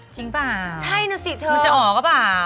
จริงเปล่ามันจะออกหรือเปล่าใช่น่ะสิเธอ